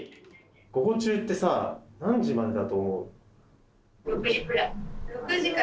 「午後中」ってさ何時までだと思う？